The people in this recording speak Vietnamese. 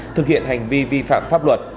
thực hiện hành vi vi phạm pháp luật